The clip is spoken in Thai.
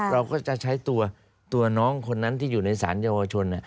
เราก็จะใช้ตัวน้องคนนั้นที่อยู่ในสารเยาวชน